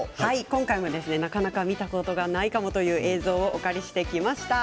今回もなかなか見たことのないかもという映像をお借りしてきました。